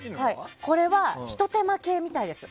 これは、ひと手間系みたいです。